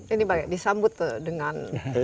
ini banyak disambut dengan